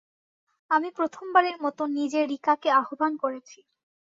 আমি প্রথমবারের মতো নিজে রিকাকে আহ্বান করেছি।